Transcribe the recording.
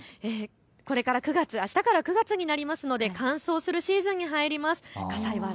あしたから９月になりますので乾燥するシーズンに入ります。